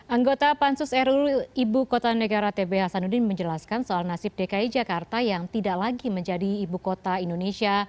anggota pansus ru ibu kota negara tb hasanuddin menjelaskan soal nasib dki jakarta yang tidak lagi menjadi ibu kota indonesia